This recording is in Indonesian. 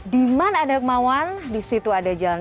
dimana ada kemauan disitu ada jalan